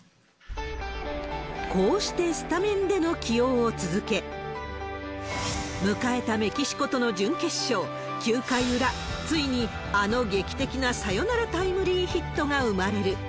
こうしてスタメンでの起用を続け、迎えたメキシコとの準決勝、９回裏、ついにあの劇的なサヨナラタイムリーヒットが生まれる。